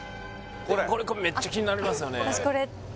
これこれめっちゃ気になりますよね